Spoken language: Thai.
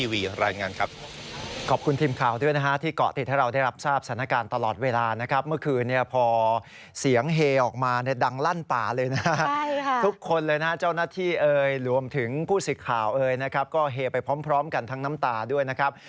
หลังลั่นป่าเลยนะครับทุกคนเลยนะเจ้าหน้าที่เอ๋ยรวมถึงผู้สิทธิ์ข่าวเอ๋ยนะครับก็เฮไปพร้อมกันทั้งน้ำตาด้วยนะครับ